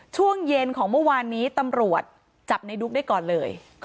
ช่วงเย็นของเมื่อวานนี้ตำรวจจับในดุ๊กได้ก่อนเลย